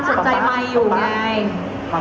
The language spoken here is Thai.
ป๊าป๊าป๊าป๊าป๊าป๊า